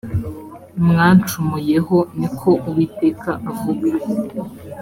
mwancumuyeho ni ko uwiteka avuga